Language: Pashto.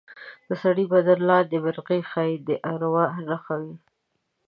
د سړي بدن لاندې مرغۍ ښایي د اروا نښه وي.